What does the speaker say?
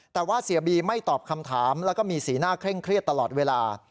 แต่ว่าเสียบีไม่ตอบคำถามแล้วก็มีสีหน้าเคร่งเครียดตลอดเวลา